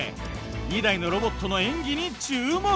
２台のロボットの演技に注目です。